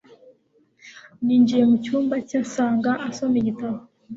Ninjiye mucyumba cye nsanga asoma igitabo